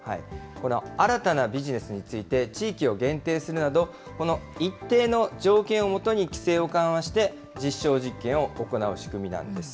新たなビジネスについて地域を限定するなど、この一定の条件をもとに規制を緩和して、実証実験を行う仕組みなんです。